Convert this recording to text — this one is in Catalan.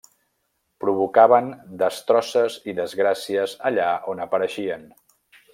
Provocaven destrosses i desgràcies allà on apareixien.